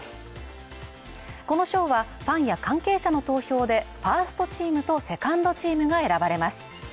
この賞はファンや関係者の投票でファーストチームとセカンドチームが選ばれます